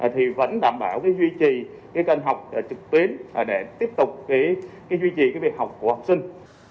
thì vẫn đảm bảo duy trì kênh học trực tuyến để tiếp tục duy trì việc học của học sinh